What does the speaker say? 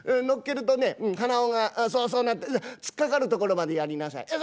乗っけるとね鼻緒がそうそうなって突っかかるところまでやりなさい。